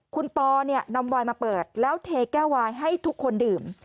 คุณปอเนี่ยนำวายมาเปิดแล้วเทแก้ววายให้ทุกคนดื่ม